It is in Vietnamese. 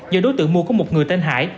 do đối tượng mua có một người tên hải